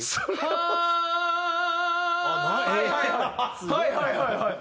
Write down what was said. はいはいはいはい。